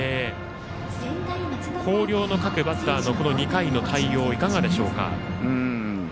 広陵の各バッターの２回の対応いかがでしょうか。